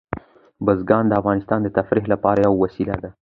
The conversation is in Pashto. بزګان د افغانانو د تفریح لپاره یوه وسیله ده.